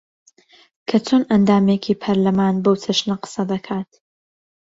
کە چۆن ئەندامێکی پەرلەمان بەو چەشنە قسە دەکات